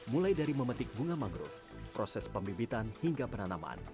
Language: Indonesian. mulai dari memetik bunga mangrove proses pembibitan hingga penanaman